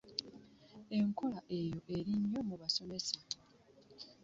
Enkola eyo eri nnyo mu basomesa.